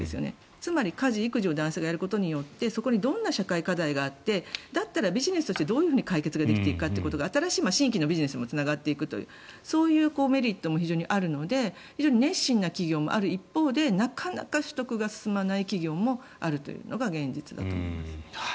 つまり家事・育児を男性がやることによってそこにどんな社会課題があってだったら、ビジネスとしてどうやって解決できていくかという新しい新規のビジネスにもつながっていくというメリットもあるので非常に熱心な企業もある一方でなかなか取得が進まない企業があるというのが現実だと思います。